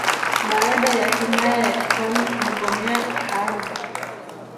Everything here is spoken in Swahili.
baada ya himaya ya kifalme kumgomea akaanza